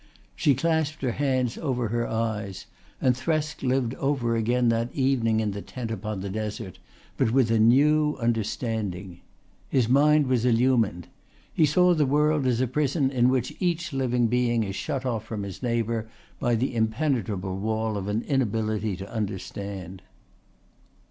She clasped her hands over her eyes and Thresk lived over again that evening in the tent upon the desert, but with a new understanding. His mind was illumined. He saw the world as a prison in which each living being is shut off from his neighbour by the impenetrable wall of an inability to understand.